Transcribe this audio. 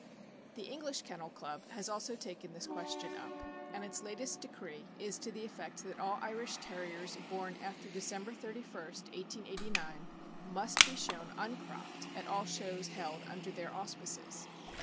The English Kennel Club has also taken this question up, and its latest decree is to the effect that all Irish Terriers born after December 31, 1889, must be shown uncropped at all shows held under their auspices.